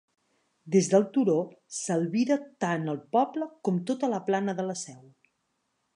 Des del turó s'albira tant el poble com tota la plana de la Seu.